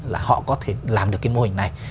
là họ có thể làm được cái mô hình này